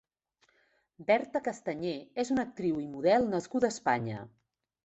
Berta Castañé és una actriu i model nascuda a Espanya.